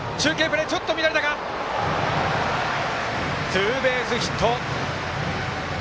ツーベースヒット！